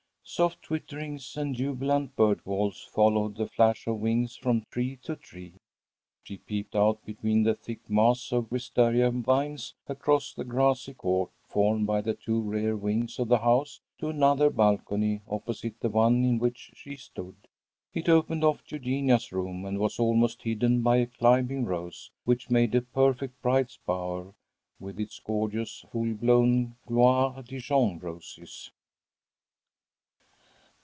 Soft twitterings and jubilant bird calls followed the flash of wings from tree to tree. She peeped out between the thick mass of wistaria vines, across the grassy court, formed by the two rear wings of the house, to another balcony opposite the one in which she stood. It opened off Eugenia's room, and was almost hidden by a climbing rose, which made a perfect bride's bower, with its gorgeous full blown Gloire Dijon roses.